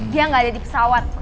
dia nggak ada di pesawat